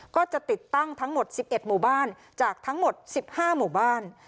ก็จะติดตั้งทั้งหมดสิบเอ็ดหมู่บ้านจากทั้งหมดสิบห้าหมู่บ้าน